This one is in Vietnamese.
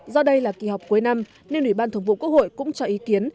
do đây là kỳ họp cuối năm nên ủy ban thường vụ quốc hội cũng cho ý kiến